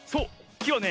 きはね